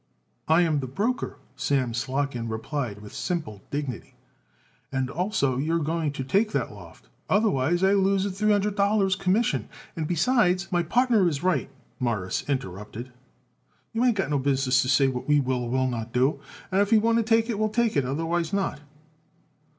"I am the broker," Sam Slotkin replied with simple dignity. "And also you're going to take that loft. Otherwise I lose it three hundred dollars' commission, and besides " "My partner is right," Morris interrupted. "You ain't got no business to say what we will or will not do. If we want to take it we will take it, otherwise not."